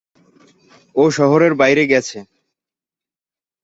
ও শহরের বাইরে গেছে।